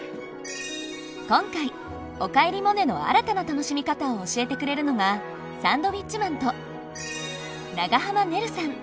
今回「おかえりモネ」の新たな楽しみ方を教えてくれるのがサンドウィッチマンと長濱ねるさん。